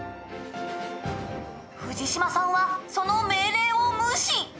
「藤島さんはその命令を無視」